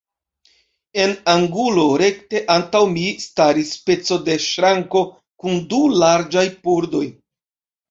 En angulo rekte antaŭ mi staris speco de ŝranko kun du larĝaj pordoj.